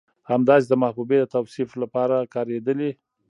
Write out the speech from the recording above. همداسې د محبوبې د توصيف لپاره کارېدلي